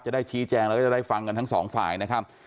จะได้ชี้แจงแล้วก็จะได้ฟังกันทั้งสองฝ่ายนะครับ